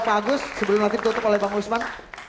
pak agus sebelum nanti ditutup oleh bang usman